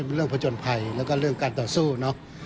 ช่วยให้สามารถสัมผัสถึงความเศร้าต่อการระลึกถึงผู้ที่จากไป